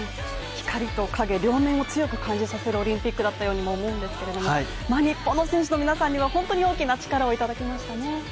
光と影、両面を強く感じさせるオリンピックだったと思うんですけど日本の選手の皆さんには本当に大きな力をいただきましたね。